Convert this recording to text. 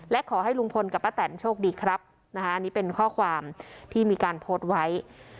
และขอให้ลุงพลกับป้าแตนโชคดีครับนะคะอันนี้เป็นข้อความที่มีการโพสต์ไว้